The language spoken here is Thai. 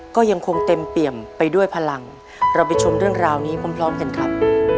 ก็ยังคงเต็มเปี่ยมไปด้วยพลังเราไปชมเรื่องราวนี้พร้อมกันครับ